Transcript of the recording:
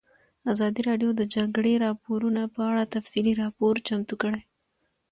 ازادي راډیو د د جګړې راپورونه په اړه تفصیلي راپور چمتو کړی.